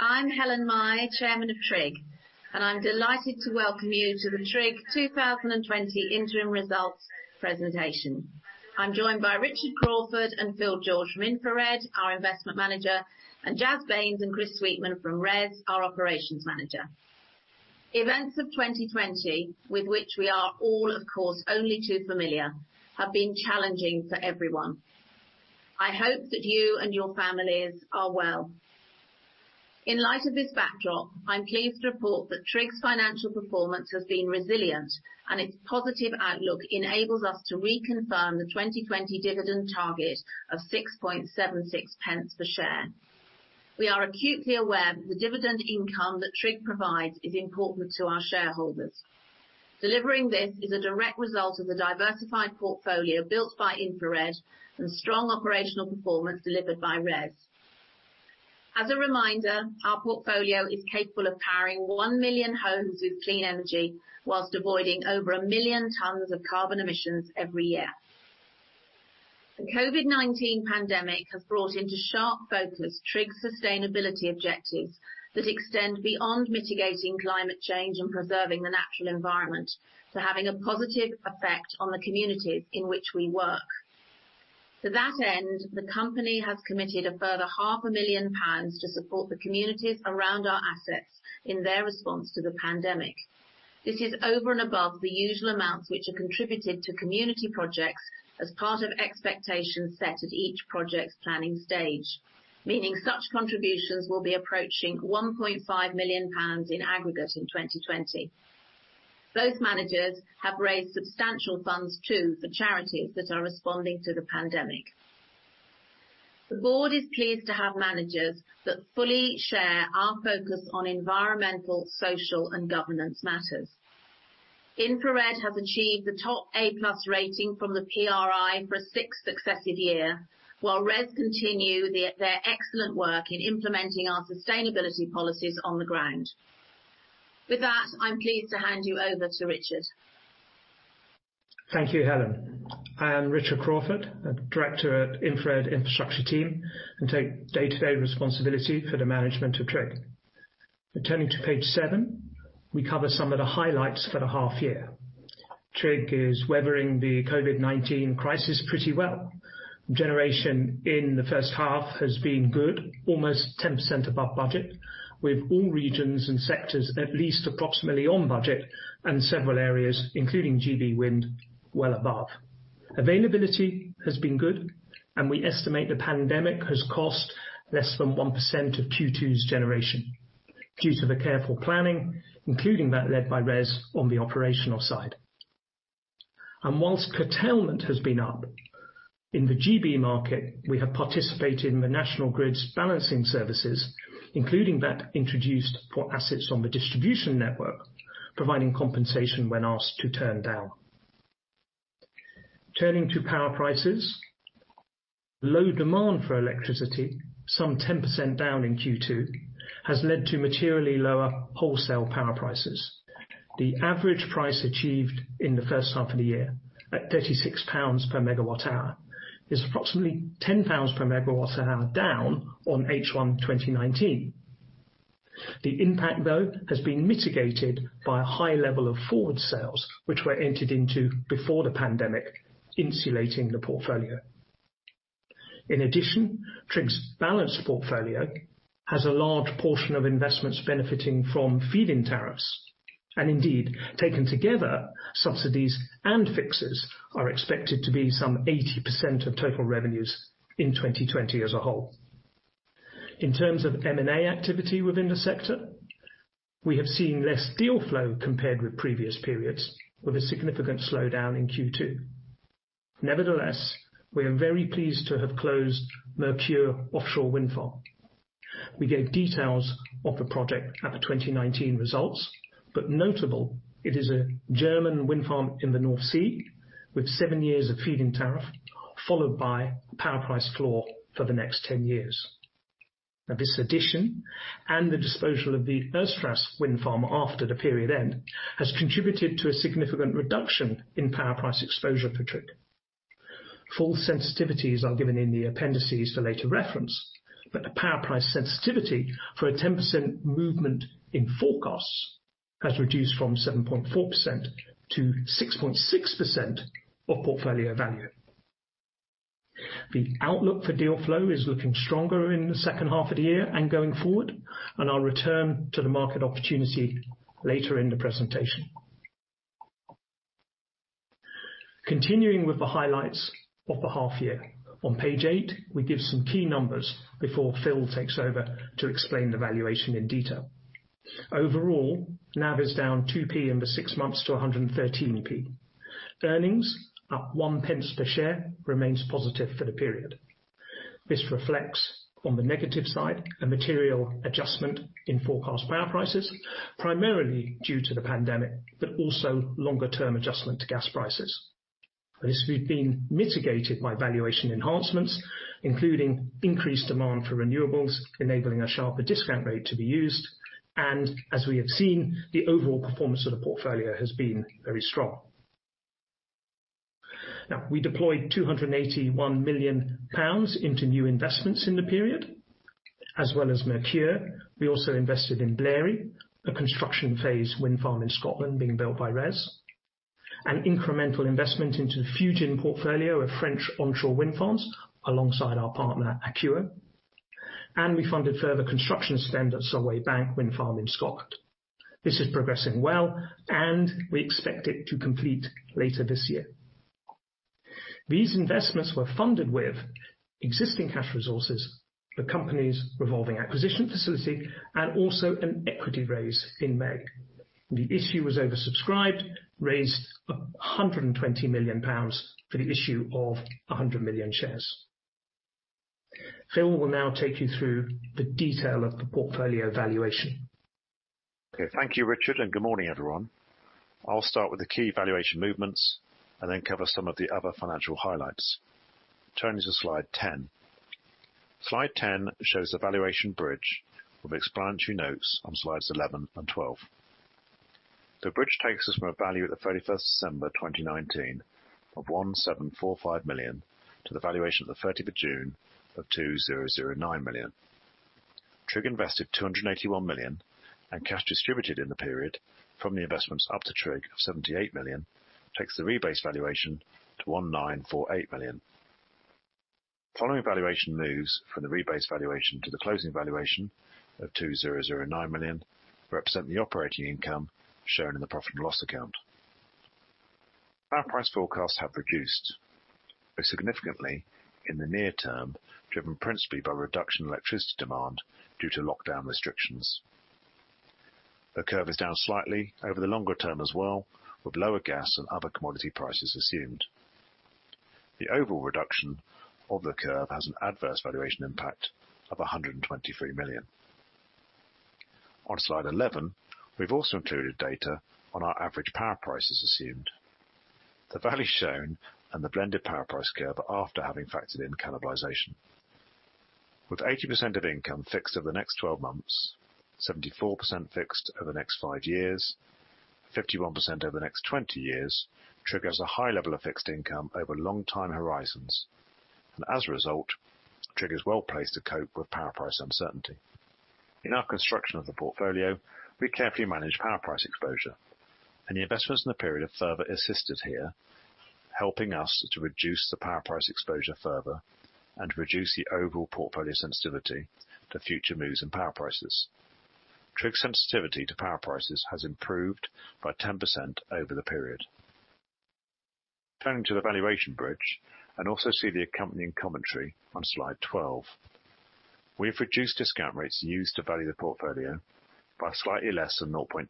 I'm Helen Mahy, Chairman of TRIG, and I'm delighted to welcome you to the TRIG 2020 interim results presentation. I'm joined by Richard Crawford and Phil George from InfraRed, our investment manager, and Jaz Bains and Chris Sweetman from RES, our operations manager. Events of 2020, with which we are all, of course, only too familiar, have been challenging for everyone. I hope that you and your families are well. In light of this backdrop, I'm pleased to report that TRIG's financial performance has been resilient and its positive outlook enables us to reconfirm the 2020 dividend target of 0.0676 per share. We are acutely aware that the dividend income that TRIG provides is important to our shareholders. Delivering this is a direct result of the diversified portfolio built by InfraRed and strong operational performance delivered by RES. As a reminder, our portfolio is capable of powering 1 million homes with clean energy whilst avoiding over 1 million tons of carbon emissions every year. The COVID-19 pandemic has brought into sharp focus TRIG's sustainability objectives that extend beyond mitigating climate change and preserving the natural environment, to having a positive effect on the communities in which we work. To that end, the company has committed a further half a million pounds to support the communities around our assets in their response to the pandemic. This is over and above the usual amounts which are contributed to community projects as part of expectations set at each project's planning stage. Meaning such contributions will be approaching 1.5 million pounds in aggregate in 2020. Both managers have raised substantial funds too for charities that are responding to the pandemic. The board is pleased to have managers that fully share our focus on environmental, social, and governance matters. InfraRed has achieved the top A+ rating from the PRI for a sixth successive year, while RES continue their excellent work in implementing our sustainability policies on the ground. With that, I'm pleased to hand you over to Richard. Thank you, Helen. I am Richard Crawford, a director at InfraRed Infrastructure team, and take day-to-day responsibility for the management of TRIG. Turning to page seven, we cover some of the highlights for the half year. TRIG is weathering the COVID-19 crisis pretty well. Generation in the first half has been good, almost 10% above budget, with all regions and sectors at least approximately on budget, and several areas, including GB wind, well above. Availability has been good. We estimate the pandemic has cost less than 1% of Q2's generation due to the careful planning, including that led by RES on the operational side. Whilst curtailment has been up in the GB market, we have participated in the National Grid's balancing services, including that introduced for assets on the distribution network, providing compensation when asked to turn down. Turning to power prices. Low demand for electricity, some 10% down in Q2, has led to materially lower wholesale power prices. The average price achieved in the first half of the year, at 36 pounds per megawatt hour, is approximately 10 pounds per megawatt hour down on H1 2019. The impact, though, has been mitigated by a high level of forward sales, which were entered into before the pandemic, insulating the portfolio. In addition, TRIG's balanced portfolio has a large portion of investments benefiting from feed-in tariffs, and indeed, taken together, subsidies and fixes are expected to be some 80% of total revenues in 2020 as a whole. In terms of M&A activity within the sector, we have seen less deal flow compared with previous periods, with a significant slowdown in Q2. Nevertheless, we are very pleased to have closed Merkur Offshore Wind Farm. We gave details of the project at the 2019 results, notable it is a German wind farm in the North Sea with seven years of feed-in tariff followed by a power price floor for the next 10 years. This addition and the disposal of the Ersträsk wind farm after the period end has contributed to a significant reduction in power price exposure for TRIG. Full sensitivities are given in the appendices for later reference, the power price sensitivity for a 10% movement in forecasts has reduced from 7.4% to 6.6% of portfolio value. The outlook for deal flow is looking stronger in the second half of the year and going forward, I'll return to the market opportunity later in the presentation. Continuing with the highlights of the half year. On page eight, we give some key numbers before Phil takes over to explain the valuation in detail. Overall, NAV is down 0.02 in the six months to 1.13. Earnings, up 0.01 per share, remains positive for the period. This reflects on the negative side a material adjustment in forecast power prices, primarily due to the pandemic, but also longer term adjustment to gas prices. This has been mitigated by valuation enhancements, including increased demand for renewables, enabling a sharper discount rate to be used, as we have seen, the overall performance of the portfolio has been very strong. Now, we deployed 281 million pounds into new investments in the period. As well as Merkur, we also invested in Blary Hill, a construction phase wind farm in Scotland being built by RES. An incremental investment into the Fujin portfolio of French onshore wind farms alongside our partner, Akuo. We funded further construction spend at Solwaybank wind farm in Scotland. This is progressing well, and we expect it to complete later this year. These investments were funded with existing cash resources, the company's revolving acquisition facility, and also an equity raise in May. The issue was oversubscribed, raised 120 million pounds for the issue of 100 million shares. Phil will now take you through the detail of the portfolio valuation. Thank you, Richard, and good morning, everyone. I'll start with the key valuation movements and then cover some of the other financial highlights. Turning to slide 10. Slide 10 shows the valuation bridge with explanatory notes on slides 11 and 12. The bridge takes us from a value at the 31st December 2019 of 1,745,000,000 to the valuation of the 30th June of 2,009,000,000. TRIG invested 281 million, and cash distributed in the period from the investments up to TRIG, 78 million takes the rebase valuation to 1,948,000,000. Following valuation moves from the rebase valuation to the closing valuation of 2,009,000,000 represent the operating income shown in the profit and loss account. Our price forecasts have reduced, most significantly in the near term, driven principally by reduction in electricity demand due to lockdown restrictions. The curve is down slightly over the longer term as well, with lower gas and other commodity prices assumed. The overall reduction of the curve has an adverse valuation impact of 123 million. On slide 11, we've also included data on our average power prices assumed. The values shown and the blended power price curve are after having factored in cannibalization. With 80% of income fixed over the next 12 months, 74% fixed over the next five years, 51% over the next 20 years, TRIG has a high level of fixed income over long time horizons. As a result, TRIG is well-placed to cope with power price uncertainty. In our construction of the portfolio, we carefully manage power price exposure. The investments in the period have further assisted here, helping us to reduce the power price exposure further and reduce the overall portfolio sensitivity to future moves in power prices. TRIG sensitivity to power prices has improved by 10% over the period. Turning to the valuation bridge, also see the accompanying commentary on slide 12. We have reduced discount rates used to value the portfolio by slightly less than 0.2%.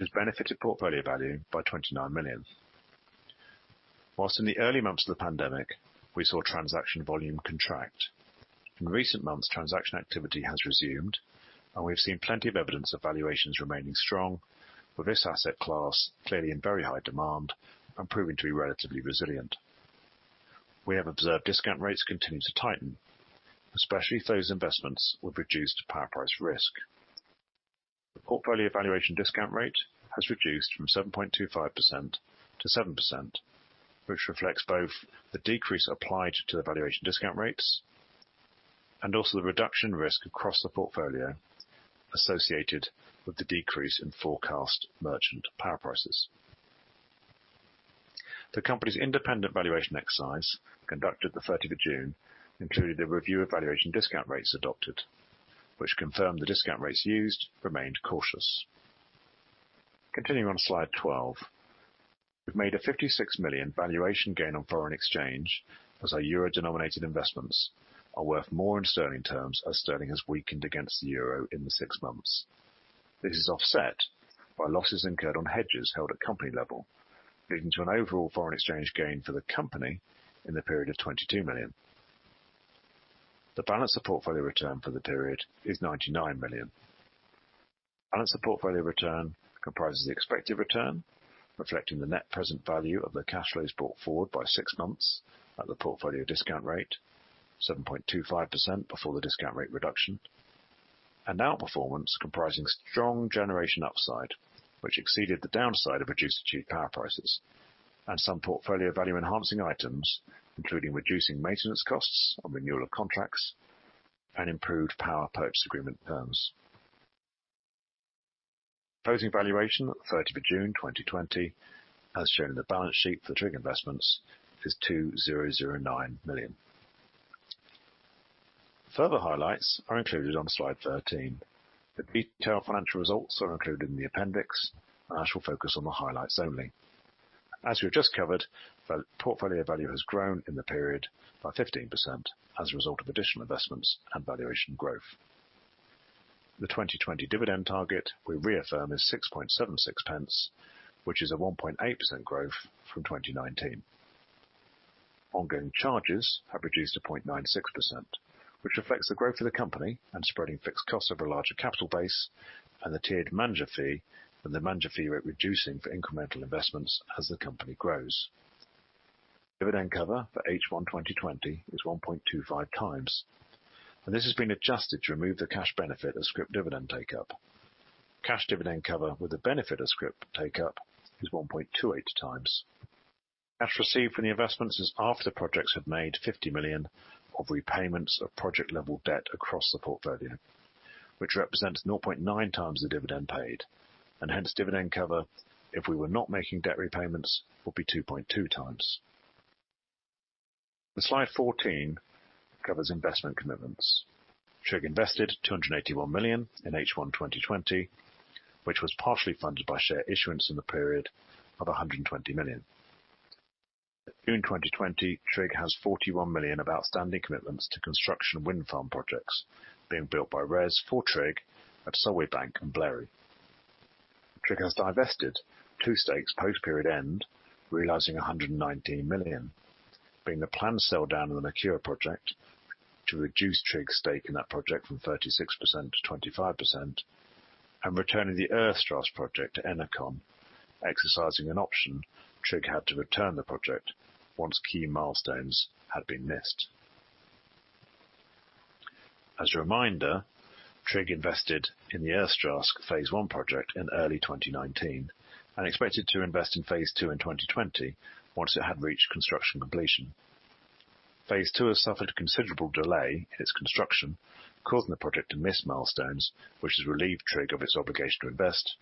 This benefited portfolio value by 29 million. Whilst in the early months of the pandemic, we saw transaction volume contract. In recent months, transaction activity has resumed, and we've seen plenty of evidence of valuations remaining strong for this asset class, clearly in very high demand and proving to be relatively resilient. We have observed discount rates continue to tighten, especially if those investments will reduce to power price risk. The portfolio valuation discount rate has reduced from 7.25% to 7%, which reflects both the decrease applied to the valuation discount rates and also the reduction risk across the portfolio associated with the decrease in forecast merchant power prices. The company's independent valuation exercise, conducted the 30th of June, included a review of valuation discount rates adopted, which confirmed the discount rates used remained cautious. Continuing on slide 12. We've made a 56 million valuation gain on foreign exchange as our euro-denominated investments are worth more in sterling terms as sterling has weakened against the euro in the six months. This is offset by losses incurred on hedges held at company level, leading to an overall foreign exchange gain for the company in the period of 22 million. The balance of portfolio return for the period is 99 million. Balance of portfolio return comprises the expected return, reflecting the net present value of the cash flows brought forward by six months at the portfolio discount rate 7.25% before the discount rate reduction. Outperformance comprising strong generation upside, which exceeded the downside of reduced achieved power prices and some portfolio value-enhancing items, including reducing maintenance costs on renewal of contracts and improved power purchase agreement terms. Closing valuation 30th of June 2020, as shown in the balance sheet for TRIG investments, is 2,009 million. Further highlights are included on slide 13. The detailed financial results are included in the appendix. I shall focus on the highlights only. As we've just covered, the portfolio value has grown in the period by 15% as a result of additional investments and valuation growth. The 2020 dividend target we reaffirm is 0.0676, which is a 1.8% growth from 2019. Ongoing charges have reduced to 0.96%, which reflects the growth of the company and spreading fixed costs over a larger capital base and the tiered manager fee and the manager fee rate reducing for incremental investments as the company grows. Dividend cover for H1 2020 is 1.25x. This has been adjusted to remove the cash benefit of scrip dividend take-up. Cash dividend cover with the benefit of scrip take-up is 1.28x. Cash received from the investments is after the projects have made 50 million of repayments of project-level debt across the portfolio, which represents 0.9x the dividend paid. Hence, dividend cover if we were not making debt repayments would be 2.2x. The slide 14 covers investment commitments. TRIG invested 281 million in H1 2020, which was partially funded by share issuance in the period of 120 million. At June 2020, TRIG has 41 million of outstanding commitments to construction wind farm projects being built by RES for TRIG at Solwaybank and Blary Hill. TRIG has divested two stakes post-period end, realizing 119 million. Being the planned sell-down of the Merkur project to reduce TRIG's stake in that project from 36% to 25% and returning the Ersträsk project to Enercon, exercising an option TRIG had to return the project once key milestones had been missed. As a reminder, TRIG invested in the Ersträsk phase I project in early 2019 and expected to invest in phase II in 2020 once it had reached construction completion. Phase II has suffered a considerable delay in its construction, causing the project to miss milestones, which has relieved TRIG of its obligation to invest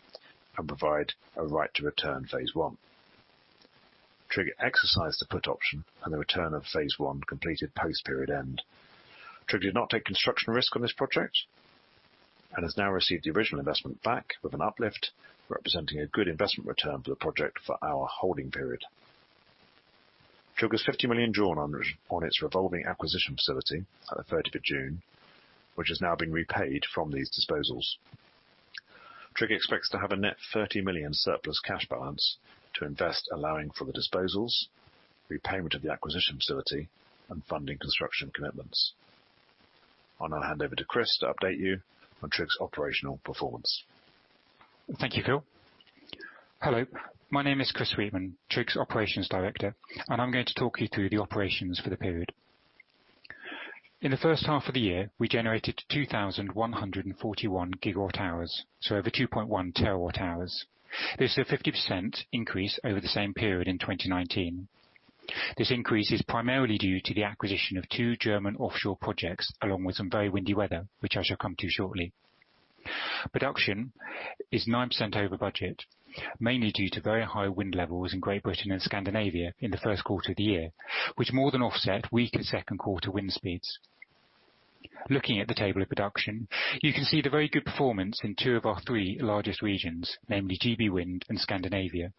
and provide a right to return phase I. TRIG exercised the put option and the return of phase I completed post-period end. TRIG did not take construction risk on this project and has now received the original investment back with an uplift, representing a good investment return for the project for our holding period. TRIG has 50 million drawn on its revolving acquisition facility at the 30th of June, which has now been repaid from these disposals. TRIG expects to have a net 30 million surplus cash balance to invest, allowing for the disposals, repayment of the acquisition facility, and funding construction commitments. I'll now hand over to Chris to update you on TRIG's operational performance. Thank you, Phil. Hello, my name is Chris Sweetman, TRIG's Operations Director, and I'm going to talk you through the operations for the period. In the first half of the year, we generated 2,141 gigawatt hours, so over 2.1 terawatt hours. This is a 50% increase over the same period in 2019. This increase is primarily due to the acquisition of two German offshore projects, along with some very windy weather, which I shall come to shortly. Production is 9% over budget, mainly due to very high wind levels in Great Britain and Scandinavia in the first quarter of the year, which more than offset weaker second quarter wind speeds. Looking at the table of production, you can see the very good performance in two of our three largest regions, namely GB Wind and Scandinavia.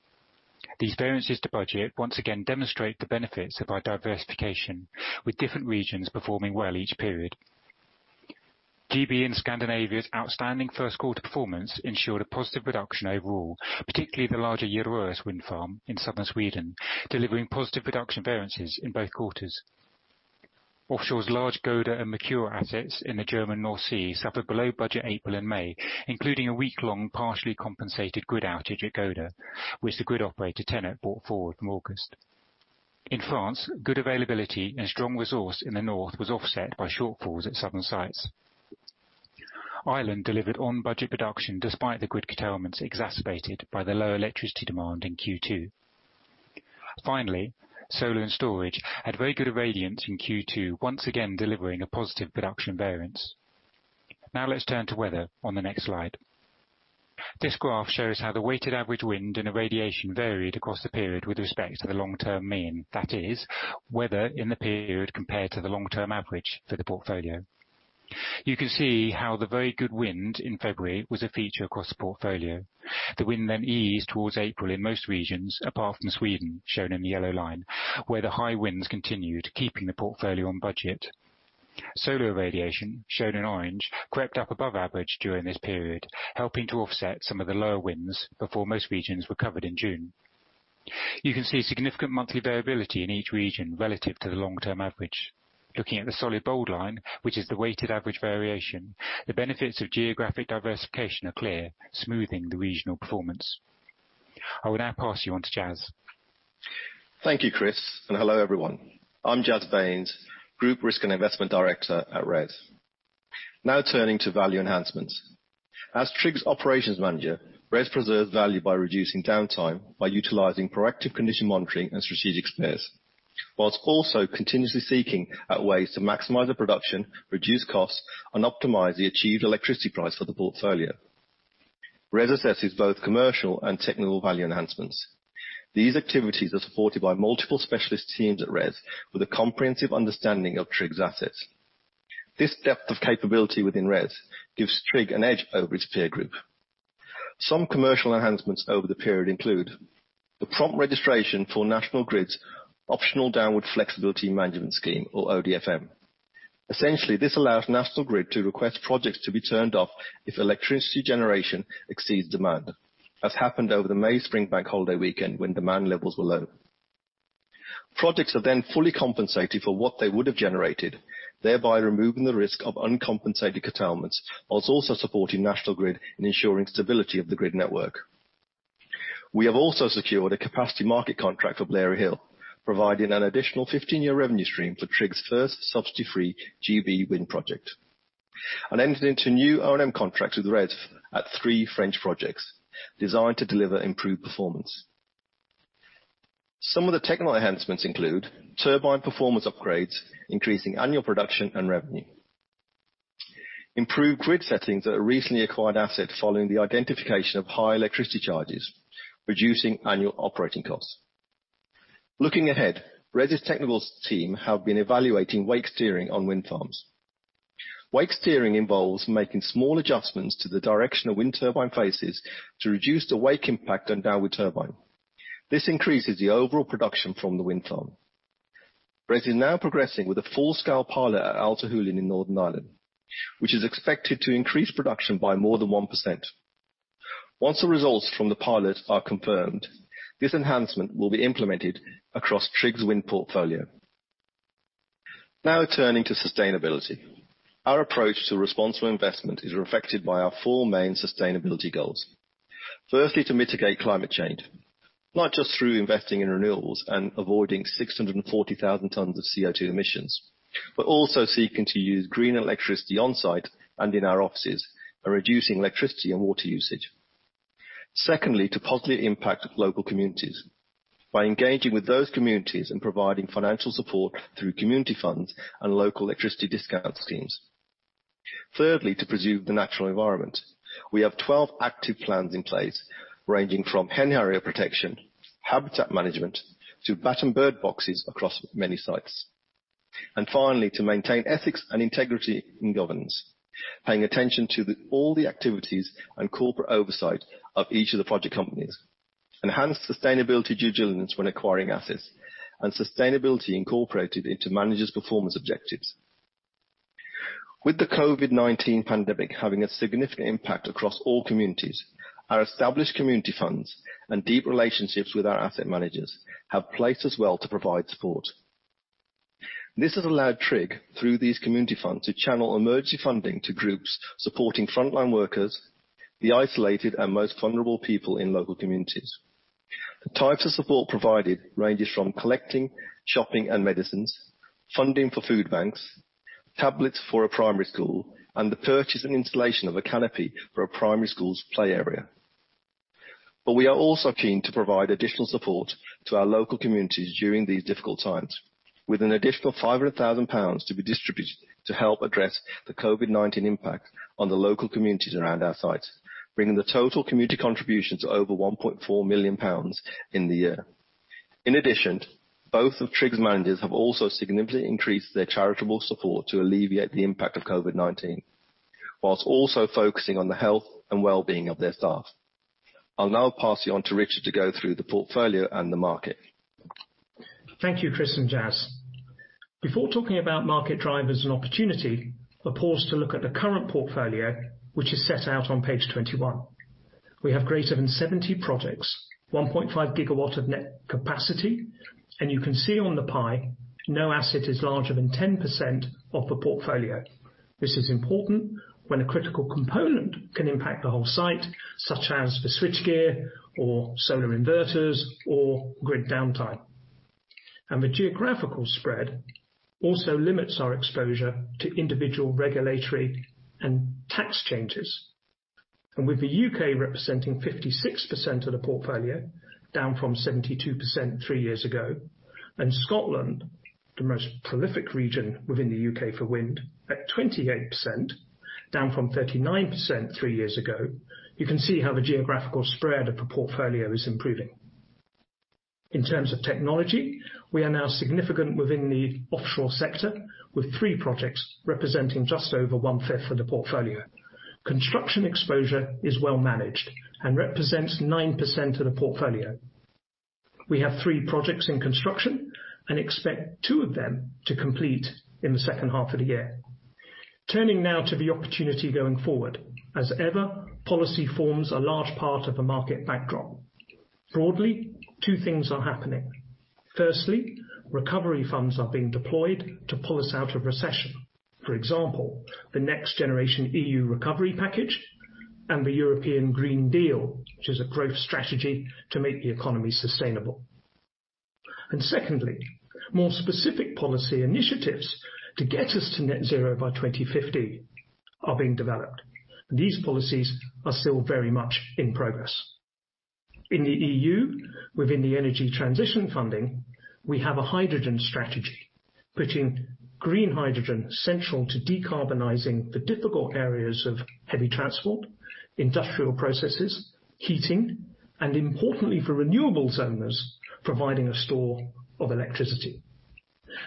These variances to budget once again demonstrate the benefits of our diversification, with different regions performing well each period. GB and Scandinavia's outstanding first quarter performance ensured a positive production overall, particularly the larger Jädraås wind farm in southern Sweden, delivering positive production variances in both quarters. Offshore's large Gode Wind and Merkur assets in the German North Sea suffered below budget April and May, including a week-long, partially compensated grid outage at Gode Wind, which the grid operator, TenneT, brought forward from August. In France, good availability and strong resource in the north was offset by shortfalls at southern sites. Ireland delivered on-budget production despite the grid curtailments exacerbated by the low electricity demand in Q2. Finally, solar and storage had very good irradiance in Q2, once again delivering a positive production variance. Now let's turn to weather on the next slide. This graph shows how the weighted average wind and irradiation varied across the period with respect to the long-term mean. That is, weather in the period compared to the long-term average for the portfolio. You can see how the very good wind in February was a feature across the portfolio. The wind eased towards April in most regions, apart from Sweden, shown in the yellow line, where the high winds continued, keeping the portfolio on budget. Solar irradiation, shown in orange, crept up above average during this period, helping to offset some of the lower winds before most regions recovered in June. You can see significant monthly variability in each region relative to the long-term average. Looking at the solid bold line, which is the weighted average variation, the benefits of geographic diversification are clear, smoothing the regional performance. I will now pass you on to Jaz. Thank you, Chris, and hello, everyone. I'm Jaz Bains, Group Risk and Investment Director at RES. Turning to value enhancements. As TRIG's operations manager, RES preserves value by reducing downtime by utilizing proactive condition monitoring and strategic spares, whilst also continuously seeking ways to maximize the production, reduce costs, and optimize the achieved electricity price for the portfolio. RES assesses both commercial and technical value enhancements. These activities are supported by multiple specialist teams at RES with a comprehensive understanding of TRIG's assets. This depth of capability within RES gives TRIG an edge over its peer group. Some commercial enhancements over the period include the prompt registration for National Grid's Optional Downward Flexibility Management scheme, or ODFM. Essentially, this allows National Grid to request projects to be turned off if electricity generation exceeds demand, as happened over the May spring bank holiday weekend when demand levels were low. Projects are fully compensated for what they would have generated, thereby removing the risk of uncompensated curtailments, while also supporting National Grid in ensuring stability of the grid network. We have also secured a capacity market contract for Blary Hill, providing an additional 15-year revenue stream for TRIG's first subsidy-free GB wind project, and entered into new O&M contracts with RES at 3 French projects designed to deliver improved performance. Some of the technical enhancements include turbine performance upgrades, increasing annual production and revenue. Improved grid settings at a recently acquired asset following the identification of high electricity charges, reducing annual operating costs. Looking ahead, RES's technical team have been evaluating wake steering on wind farms. Wake steering involves making small adjustments to the direction a wind turbine faces to reduce the wake impact on downwind turbine. This increases the overall production from the wind farm. RES is now progressing with a full-scale pilot at Altahullion in Northern Ireland, which is expected to increase production by more than 1%. Once the results from the pilot are confirmed, this enhancement will be implemented across TRIG's wind portfolio. Turning to sustainability. Our approach to responsible investment is reflected by our four main sustainability goals. Firstly, to mitigate climate change, not just through investing in renewables and avoiding 640,000 tons of CO2 emissions, but also seeking to use greener electricity on-site and in our offices, and reducing electricity and water usage. Secondly, to positively impact local communities by engaging with those communities and providing financial support through community funds and local electricity discount schemes. Thirdly, to preserve the natural environment. We have 12 active plans in place, ranging from hen harrier protection, habitat management, to bat and bird boxes across many sites. Finally, to maintain ethics and integrity in governance, paying attention to all the activities and corporate oversight of each of the project companies, enhance sustainability due diligence when acquiring assets, and sustainability incorporated into managers' performance objectives. With the COVID-19 pandemic having a significant impact across all communities, our established community funds and deep relationships with our asset managers have placed us well to provide support. This has allowed TRIG, through these community funds, to channel emergency funding to groups supporting frontline workers, the isolated and most vulnerable people in local communities. The types of support provided ranges from collecting, shopping, and medicines, funding for food banks, tablets for a primary school, and the purchase and installation of a canopy for a primary school's play area. We are also keen to provide additional support to our local communities during these difficult times. With an additional 500,000 pounds to be distributed to help address the COVID-19 impact on the local communities around our sites, bringing the total community contribution to over 1.4 million pounds in the year. In addition, both of TRIG's managers have also significantly increased their charitable support to alleviate the impact of COVID-19, while also focusing on the health and wellbeing of their staff. I will now pass you on to Richard to go through the portfolio and the market. Thank you, Chris and Jaz. Before talking about market drivers and opportunity, a pause to look at the current portfolio, which is set out on page 21. We have greater than 70 projects, 1.5 GW of net capacity, and you can see on the pie, no asset is larger than 10% of the portfolio. This is important when a critical component can impact the whole site, such as the switchgear or solar inverters or grid downtime. The geographical spread also limits our exposure to individual regulatory and tax changes. With the U.K. representing 56% of the portfolio, down from 72% three years ago, Scotland, the most prolific region within the U.K. for wind, at 28%, down from 39% three years ago, you can see how the geographical spread of the portfolio is improving. In terms of technology, we are now significant within the offshore sector, with three projects representing just over 1/5 of the portfolio. Construction exposure is well managed and represents 9% of the portfolio. We have three projects in construction and expect two of them to complete in the second half of the year. Turning now to the opportunity going forward. As ever, policy forms a large part of the market backdrop. Broadly, two things are happening. Firstly, recovery funds are being deployed to pull us out of recession. For example, the NextGenerationEU recovery package and the European Green Deal, which is a growth strategy to make the economy sustainable. Secondly, more specific policy initiatives to get us to net zero by 2050 are being developed. These policies are still very much in progress. In the EU, within the energy transition funding, we have a hydrogen strategy, putting green hydrogen central to decarbonizing the difficult areas of heavy transport, industrial processes, heating, and importantly for renewables owners, providing a store of electricity.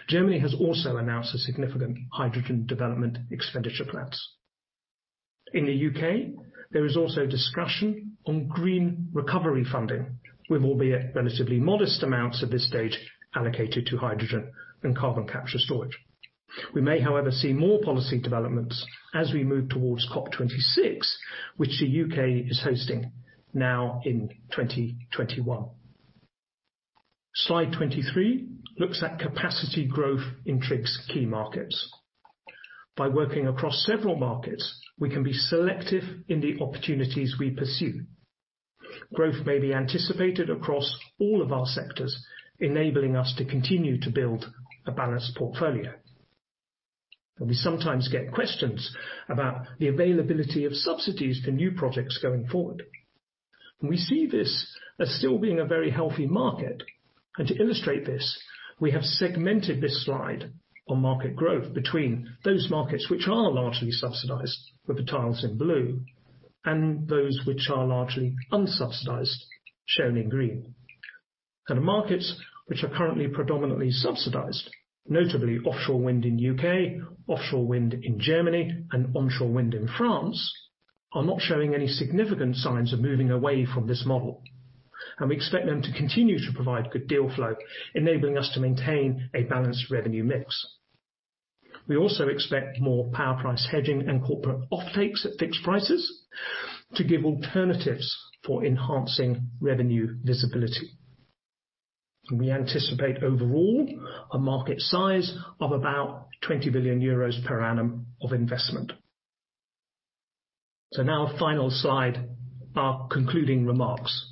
Germany has also announced a significant hydrogen development expenditure plans. In the U.K., there is also discussion on green recovery funding, with albeit relatively modest amounts at this stage allocated to hydrogen and carbon capture and storage. We may, however, see more policy developments as we move towards COP26, which the U.K. is hosting now in 2021. Slide 23 looks at capacity growth in TRIG's key markets. By working across several markets, we can be selective in the opportunities we pursue. Growth may be anticipated across all of our sectors, enabling us to continue to build a balanced portfolio. We sometimes get questions about the availability of subsidies for new projects going forward. We see this as still being a very healthy market. To illustrate this, we have segmented this slide on market growth between those markets which are largely subsidized, with the tiles in blue, and those which are largely unsubsidized, shown in green. The markets which are currently predominantly subsidized, notably offshore wind in U.K., offshore wind in Germany, and onshore wind in France, are not showing any significant signs of moving away from this model. We expect them to continue to provide good deal flow, enabling us to maintain a balanced revenue mix. We also expect more power price hedging and corporate off takes at fixed prices to give alternatives for enhancing revenue visibility. We anticipate overall a market size of about 20 billion euros per annum of investment. Now final slide, our concluding remarks.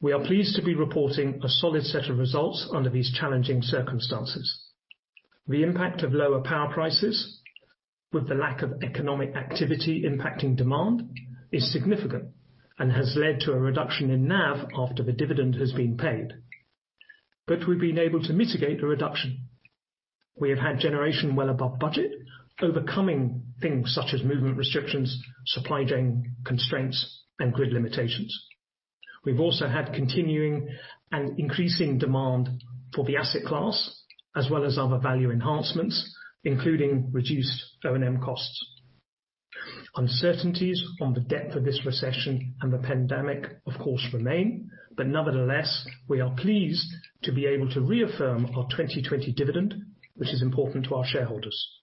We are pleased to be reporting a solid set of results under these challenging circumstances. The impact of lower power prices with the lack of economic activity impacting demand is significant and has led to a reduction in NAV after the dividend has been paid. We've been able to mitigate the reduction. We have had generation well above budget, overcoming things such as movement restrictions, supply chain constraints, and grid limitations. We've also had continuing and increasing demand for the asset class, as well as other value enhancements, including reduced O&M costs. Uncertainties on the depth of this recession and the pandemic, of course, remain. Nevertheless, we are pleased to be able to reaffirm our 2020 dividend, which is important to our shareholders.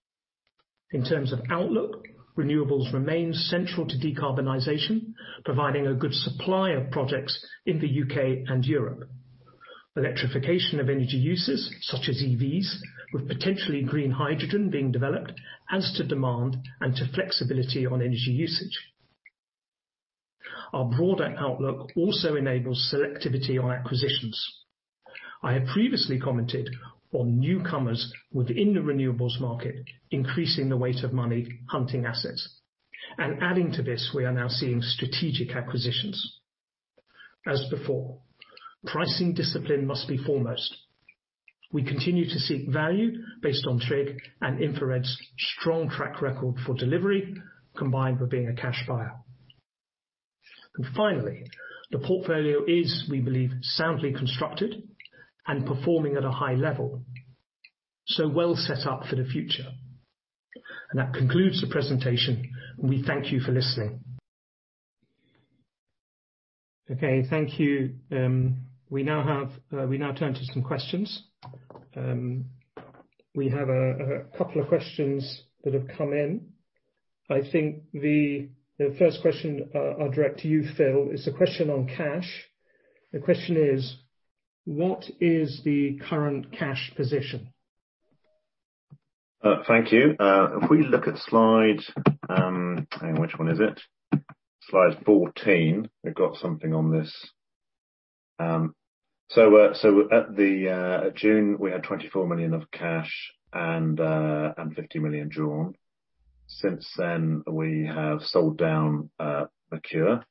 In terms of outlook, renewables remain central to decarbonization, providing a good supply of projects in the U.K. and Europe. Electrification of energy uses, such as EVs, with potentially green hydrogen being developed, adds to demand and to flexibility on energy usage. Our broader outlook also enables selectivity on acquisitions. I have previously commented on newcomers within the renewables market, increasing the weight of money hunting assets. Adding to this, we are now seeing strategic acquisitions. As before, pricing discipline must be foremost. We continue to seek value based on TRIG and InfraRed's strong track record for delivery, combined with being a cash buyer. Finally, the portfolio is, we believe, soundly constructed and performing at a high level, so well set up for the future. That concludes the presentation. We thank you for listening. Okay, thank you. We now turn to some questions. We have a couple of questions that have come in. I think the first question I'll direct to you, Phil. It's a question on cash. The question is, what is the current cash position? Thank you. If we look at slide, hang on, which one is it? Slide 14. We've got something on this. At June, we had 24 million of cash and 50 million drawn. Since then, we have sold down Merkur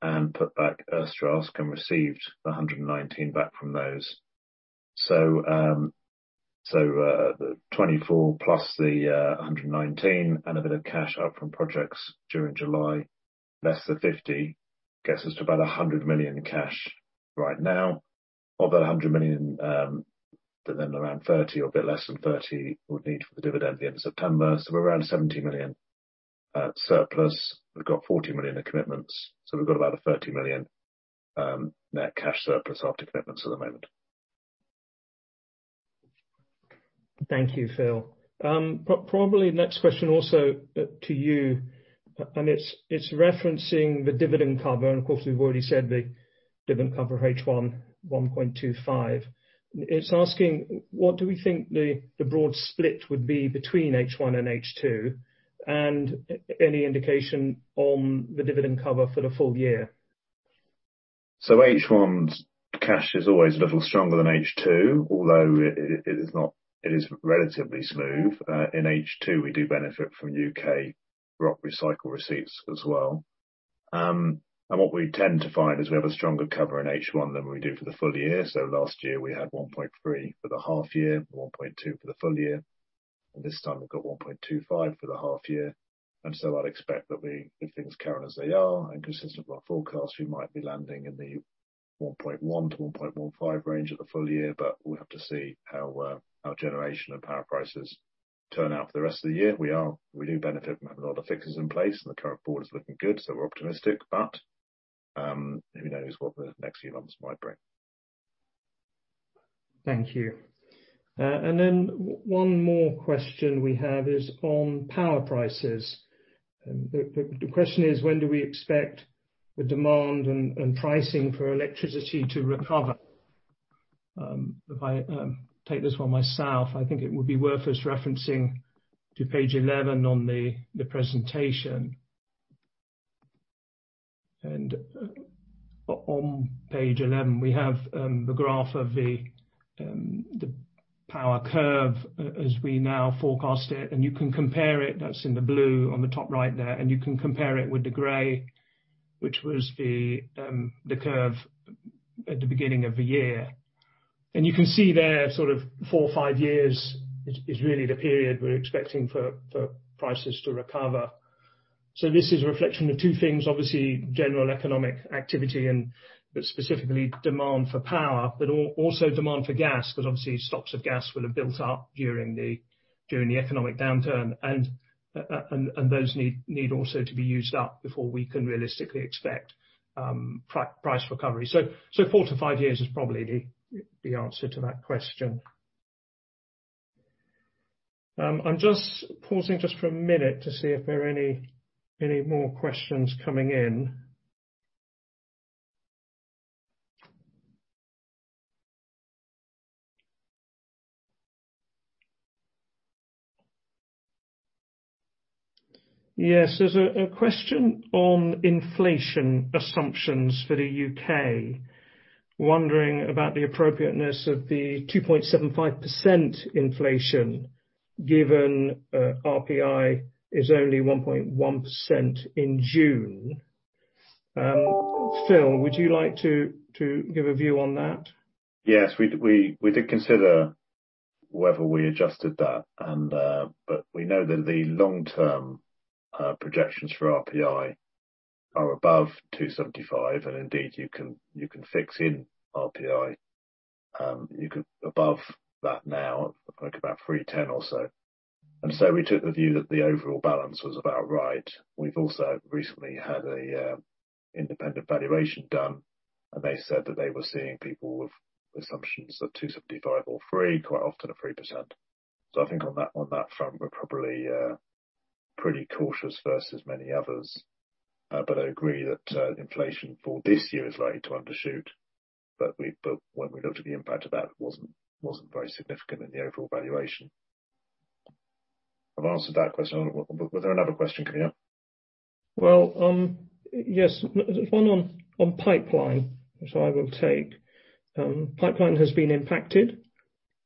and put back Ersträsk and received 119 back from those. 24 plus the 119 and a bit of cash up from projects during July, less the 50, gets us to about 100 million cash right now. Of that 100 million, around 30 or a bit less than 30 we'll need for the dividend at the end of September. We're around 70 million surplus. We've got 40 million in commitments. We've got about a 30 million net cash surplus after commitments at the moment. Thank you, Phil. Probably next question also to you, and it's referencing the dividend cover, and of course, we've already said the dividend cover H1, 1.25. It's asking, what do we think the broad split would be between H1 and H2, and any indication on the dividend cover for the full year? H1's cash is always a little stronger than H2, although it is relatively smooth. In H2, we do benefit from UK ROC recycle receipts as well. What we tend to find is we have a stronger cover in H1 than we do for the full year. Last year we had 1.3 for the half year, 1.2 for the full year. This time we've got 1.25 for the half year. I'd expect that if things carry on as they are and consistent with our forecast, we might be landing in the 1.1-1.15 range at the full year, but we'll have to see how our generation and power prices turn out for the rest of the year. We do benefit from having a lot of fixes in place and the current board is looking good, so we're optimistic, but who knows what the next few months might bring. Thank you. One more question we have is on power prices. The question is, when do we expect the demand and pricing for electricity to recover? If I take this one myself, I think it would be worth us referencing to page 11 on the presentation. On page 11, we have the graph of the power curve as we now forecast it, and you can compare it, that's in the blue on the top right there, and you can compare it with the gray, which was the curve at the beginning of the year. You can see there, four or five years is really the period we're expecting for prices to recover. This is a reflection of two things. Obviously, general economic activity and specifically demand for power, but also demand for gas, because obviously stocks of gas will have built up during the economic downturn. Those need also to be used up before we can realistically expect price recovery. Four to five years is probably the answer to that question. I'm just pausing just for a minute to see if there are any more questions coming in. There's a question on inflation assumptions for the U.K. Wondering about the appropriateness of the 2.75% inflation given RPI is only 1.1% in June. Phil, would you like to give a view on that? Yes. We did consider whether we adjusted that, but we know that the long-term projections for RPI are above 275, and indeed you can fix in RPI above that now, I think about 310 or so. We took the view that the overall balance was about right. We've also recently had an independent valuation done, and they said that they were seeing people with assumptions of 275 or 300, quite often a 3%. I think on that front, we're probably pretty cautious versus many others. I agree that inflation for this year is likely to undershoot. When we looked at the impact of that, it wasn't very significant in the overall valuation. I've answered that question. Was there another question coming up? Well, yes. There's one on pipeline, which I will take. Pipeline has been impacted.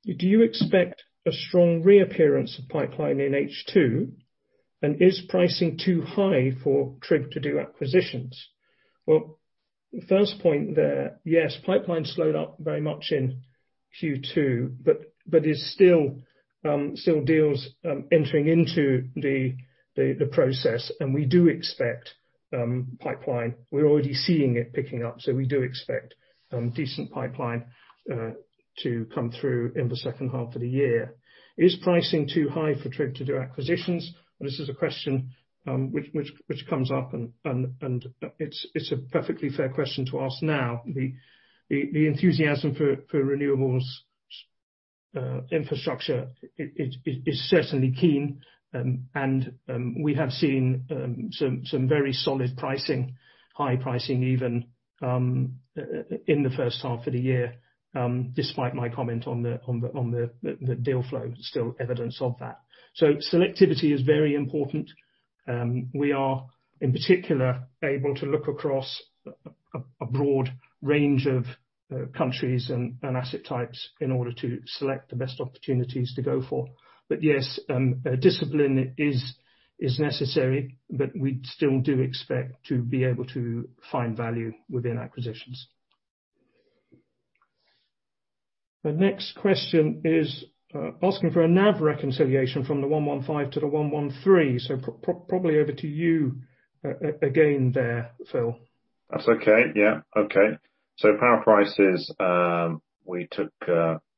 Do you expect a strong reappearance of pipeline in H2? Is pricing too high for TRIG to do acquisitions? Well, first point there, yes, pipeline slowed up very much in Q2, but there's still deals entering into the process, and we do expect pipeline. We're already seeing it picking up, so we do expect decent pipeline to come through in the second half of the year. Is pricing too high for TRIG to do acquisitions? This is a question which comes up, and it's a perfectly fair question to ask now. The enthusiasm for renewables infrastructure is certainly keen, and we have seen some very solid pricing, high pricing even in the first half of the year, despite my comment on the deal flow, still evidence of that. Selectivity is very important. We are, in particular, able to look across a broad range of countries and asset types in order to select the best opportunities to go for. Yes, discipline is necessary, but we still do expect to be able to find value within acquisitions. The next question is asking for a NAV reconciliation from 1.15 to 1.13. Probably over to you, again there, Phil. That's okay. Yeah. Okay. Power prices, we took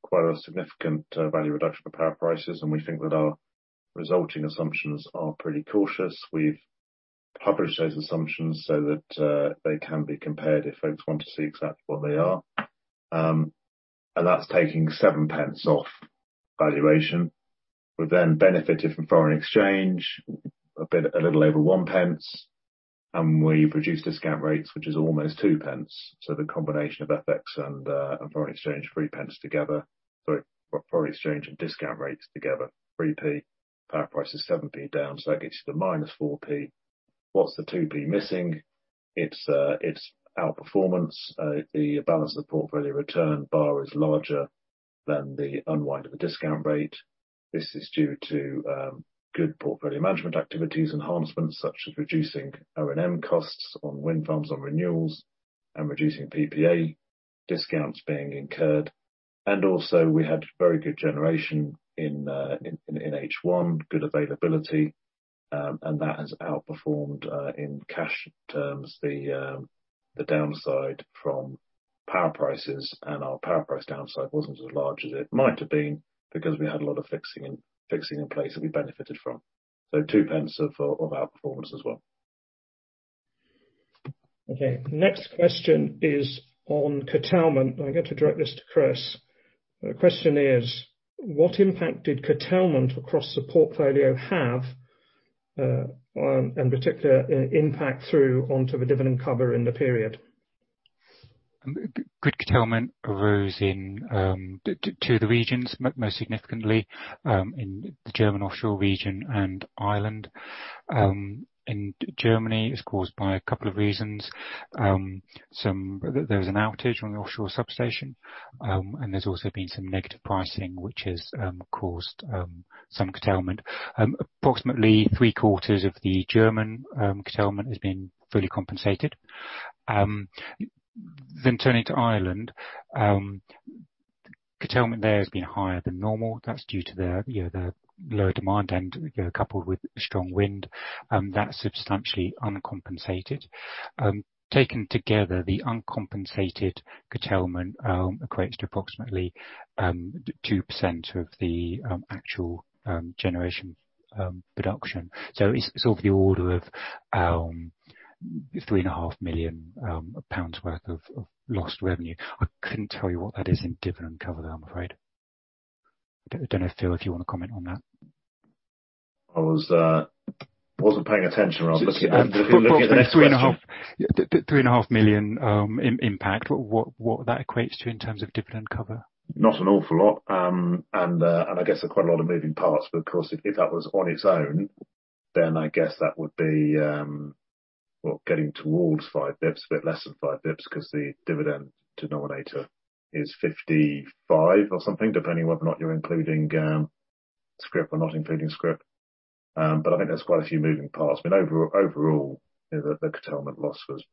quite a significant value reduction for power prices, and we think that our resulting assumptions are pretty cautious. We've published those assumptions so that they can be compared if folks want to see exactly what they are. That's taking 0.07 off valuation. We've then benefited from foreign exchange a little over 0.01, and we reduced discount rates, which is almost 0.02. The combination of FX and foreign exchange, 0.03 together. Foreign exchange and discount rates together, 0.03. Power price is 0.07 down. That gets you to -0.04. What's the 0.02 missing? It's outperformance. The balance of the portfolio return bar is larger than the unwind of the discount rate. This is due to good portfolio management activities enhancements such as reducing O&M costs on wind farms on renewables and reducing PPA discounts being incurred. Also we had very good generation in H1, good availability, and that has outperformed, in cash terms, the downside from power prices. Our power price downside wasn't as large as it might have been because we had a lot of fixing in place that we benefited from. 0.02 of outperformance as well. Okay. Next question is on curtailment. I'm going to direct this to Chris. The question is: what impact did curtailment across the portfolio have, in particular, impact through onto the dividend cover in the period? Good curtailment arose in two of the regions, most significantly, in the German offshore region and Ireland. In Germany, it's caused by a couple of reasons. There was an outage on the offshore substation, and there's also been some negative pricing, which has caused some curtailment. Approximately three-quarters of the German curtailment has been fully compensated. Turning to Ireland, curtailment there has been higher than normal. That's due to the lower demand and coupled with strong wind, that's substantially uncompensated. Taken together, the uncompensated curtailment equates to approximately 2% of the actual generation production. It's of the order of 3.5 million pounds worth of lost revenue. I couldn't tell you what that is in dividend cover, though, I'm afraid. I don't know, Phil, if you want to comment on that. I wasn't paying attention. I was looking at the next question. Three and a half million GBP impact, what that equates to in terms of dividend cover. Not an awful lot. I guess there are quite a lot of moving parts, because if that was on its own, then I guess that would be getting towards 5 basis points, a bit less than 5 basis points, because the dividend denominator is 55 or something, depending on whether or not you're including scrip or not including scrip. I think there's quite a few moving parts. Overall, the curtailment loss was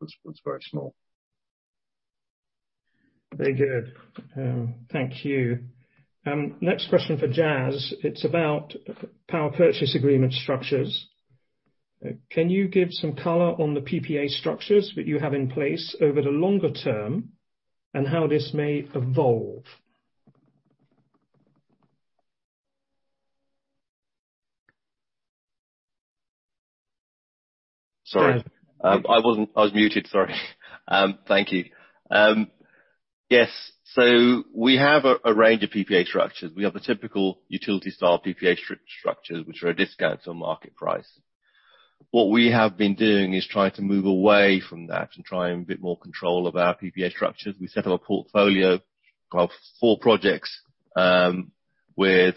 very small. Very good. Thank you. Next question for Jaz. It's about power purchase agreement structures. Can you give some color on the PPA structures that you have in place over the longer term, and how this may evolve? Sorry. I was muted, sorry. Thank you. Yes, we have a range of PPA structures. We have the typical utility-style PPA structures, which are a discount to market price. What we have been doing is trying to move away from that and trying a bit more control of our PPA structures. We set up a portfolio of four projects with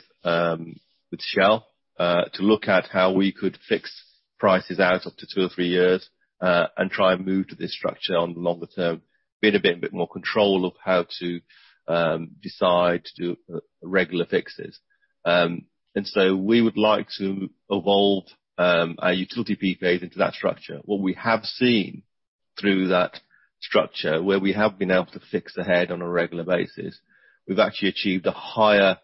Shell to look at how we could fix prices out up to two or three years and try and move to this structure on the longer term, being a bit more control of how to decide to do regular fixes. We would like to evolve our utility PPAs into that structure. What we have seen through that structure, where we have been able to fix ahead on a regular basis, we've actually achieved a higher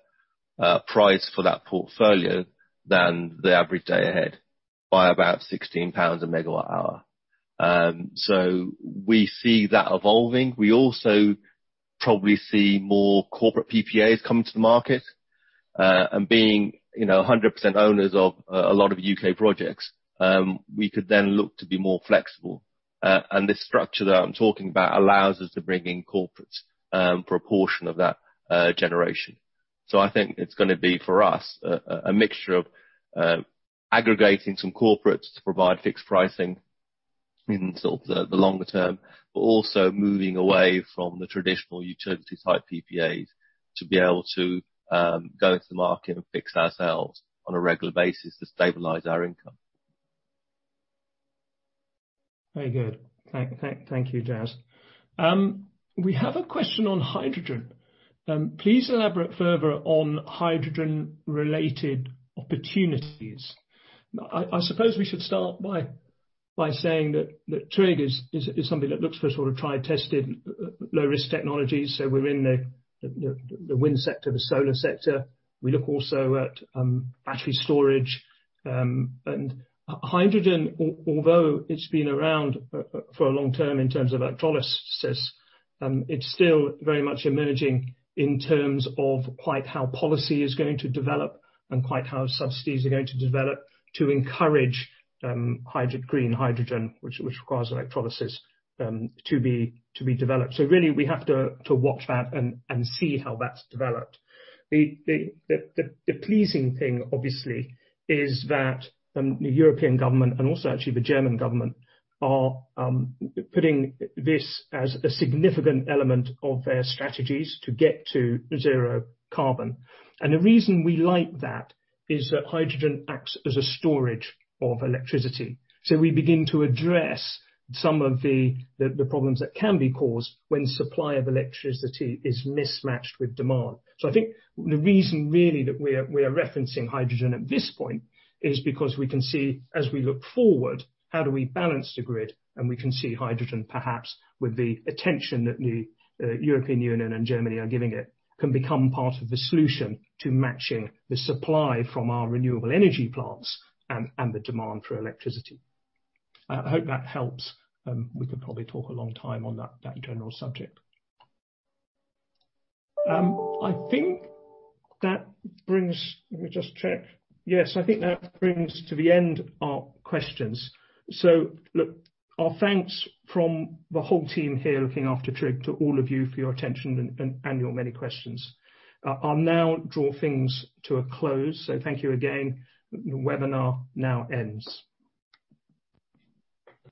price for that portfolio than the average day ahead by about 16 pounds a megawatt hour. We see that evolving. We also probably see more corporate PPAs coming to the market. Being 100% owners of a lot of U.K. projects, we could then look to be more flexible. This structure that I'm talking about allows us to bring in corporate proportion of that generation. I think it's going to be, for us, a mixture of aggregating some corporates to provide fixed pricing in the longer term, but also moving away from the traditional utility-type PPAs to be able to go into the market and fix ourselves on a regular basis to stabilize our income. Very good. Thank you, Jaz. We have a question on hydrogen. Please elaborate further on hydrogen-related opportunities. I suppose we should start by saying that TRIG is something that looks for tried, tested, low-risk technologies. We're in the wind sector, the solar sector. We look also at battery storage. Hydrogen, although it's been around for a long-term in terms of electrolysis, it's still very much emerging in terms of quite how policy is going to develop and quite how subsidies are going to develop to encourage green hydrogen, which requires electrolysis to be developed. Really, we have to watch that and see how that's developed. The pleasing thing, obviously, is that the European government and also actually the German government are putting this as a significant element of their strategies to get to zero carbon. The reason we like that is that hydrogen acts as a storage of electricity. We begin to address some of the problems that can be caused when supply of electricity is mismatched with demand. I think the reason really that we are referencing hydrogen at this point is because we can see as we look forward, how do we balance the grid? We can see hydrogen, perhaps with the attention that the European Union and Germany are giving it, can become part of the solution to matching the supply from our renewable energy plants and the demand for electricity. I hope that helps. We could probably talk a long time on that general subject. Let me just check. Yes, I think that brings to the end our questions. Our thanks from the whole team here looking after TRIG to all of you for your attention and your many questions. I'll now draw things to a close. Thank you again. The webinar now ends.